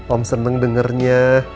om seneng dengernya